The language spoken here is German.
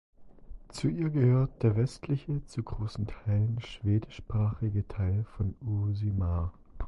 Zu ihr gehört der westliche, zu großen Teilen schwedischsprachige Teil von Uusimaa.